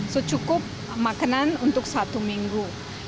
jadi cukup makanan untuk satu minggu